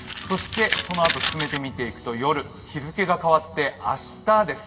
そのあと進めて見ていくと、夜、日付が変わって、明日です。